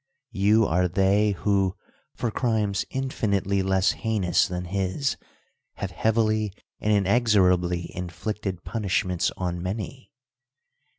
You are they who, for crimes in finitely less heinous than his, have heavily and inexorably inflicted punishments on many.